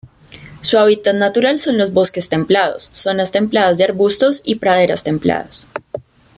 Su hábitat natural son los bosques templados, zonas templadas de arbustos y praderas templadas.